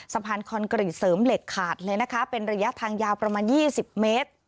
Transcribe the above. คอนกรีตเสริมเหล็กขาดเลยนะคะเป็นระยะทางยาวประมาณ๒๐เมตร